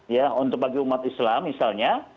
ya untuk bagi umat islam misalnya